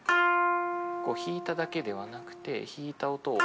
こう弾いただけではなくて弾いた音を。